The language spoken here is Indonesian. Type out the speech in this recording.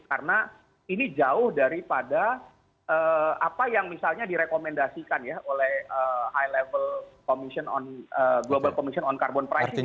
karena ini jauh daripada apa yang misalnya direkomendasikan oleh high level commission on carbon price